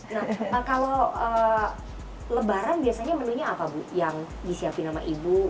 nah kalau lebaran biasanya menunya apa bu yang disiapin sama ibu